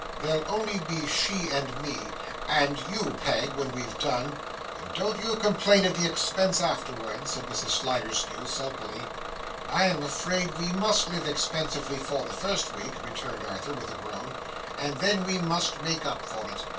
There'll only be she and me and you, Peg, when we've done.' 'Don't you complain of the expense afterwards,' said Mrs. Sliderskew, sulkily. 'I am afraid we must live expensively for the first week,' returned Arthur, with a groan, 'and then we must make up for it.